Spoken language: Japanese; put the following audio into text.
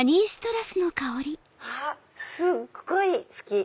⁉あっすっごい好き！